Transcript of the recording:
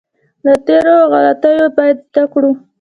له تېرو غلطیو باید زده کړو.